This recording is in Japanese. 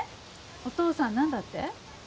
お父さん何だって？